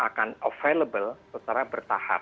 akan available secara bertahap